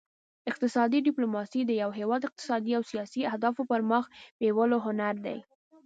اقتصادي ډیپلوماسي د یو هیواد اقتصادي او سیاسي اهدافو پرمخ بیولو هنر دی